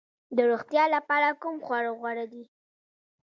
د روغتیا لپاره کوم خواړه غوره دي؟